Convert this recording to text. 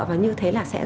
và như thế là sẽ giúp